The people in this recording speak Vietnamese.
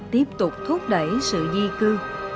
tiếp tục thúc đẩy sự di cư